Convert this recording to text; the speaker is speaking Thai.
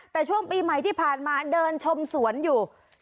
แต่ช่วงปีใหม่ที่ผ่านมาเดินชมสวนอยู่